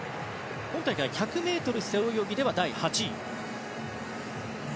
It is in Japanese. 今大会１００ｍ背泳ぎでは第８位。